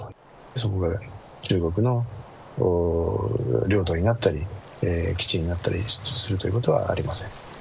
そこが中国の領土になったり、基地になったりするということはありません。